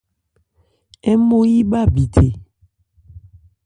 Ń mo yí bha bithe.